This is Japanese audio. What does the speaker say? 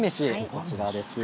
こちらです。